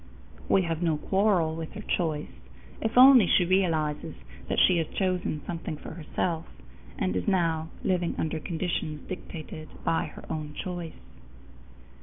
We have no quarrel with her choice, if only she realizes that she has chosen something for herself, and is now living under conditions dictated by her own choice.